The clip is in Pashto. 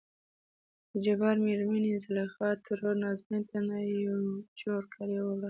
دجبار مېرمنې زليخا ترور نازنين ته نه يو جوړ کالي وړل.